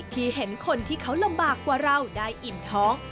ที่เห็นคนที่เขาลำบากกว่าเราได้อิ่มท้อง